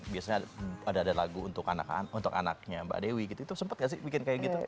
biasanya ada lagu untuk anaknya mbak dewi gitu itu sempat gak sih bikin kayak gitu